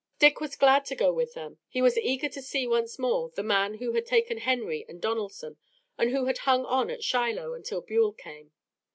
Dick was glad to go with them. He was eager to see once more the man who had taken Henry and Donelson and who had hung on at Shiloh until Buell came.